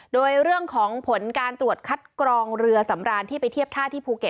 โดยเรื่องของผลการตรวจคัดกรองเรือสำรานที่ไปเทียบท่าที่ภูเก็ต